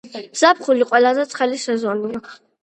ზაფხული ყველაზე ცხელი სეზონია